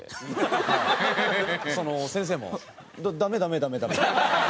先生も「ダメダメダメダメ」。